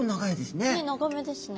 ねっ長めですね。